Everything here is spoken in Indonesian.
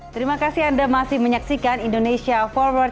terima kasih anda masih menyaksikan indonesia forward